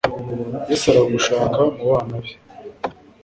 yezu aragushaka mu bana be